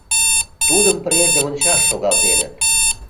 Тудым презе ончаш шогалтеныт.